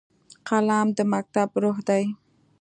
قلم د مکتب روح دی